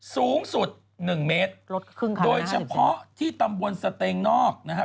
สูงสุด๑เมตรโดยเฉพาะที่ตำบลสเตงนอกนะฮะ